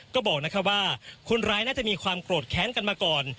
ก็บอกว่าคนร้ายน่าจะมีความโกรธแค้นกันมาก่อน